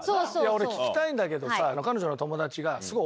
俺聞きたいんだけどさ。